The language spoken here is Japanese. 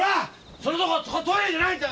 そこトイレじゃないんだから！